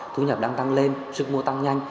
thu nhập đang tăng lên sức mua tăng nhanh